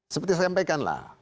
seperti sampaikan lah